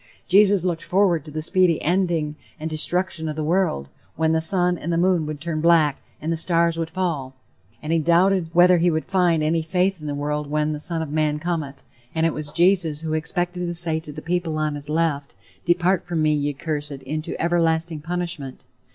Jesus looked forward to the speedy ending and destruction of the world, "when the sun and moon would turn black, and the stars would fall;" and he doubted whether he would find any faith in the world when "the son of man cometh"; and it was Jesus who expected to say to the people on his left, "depart from me, ye cursed, into everlasting punishment."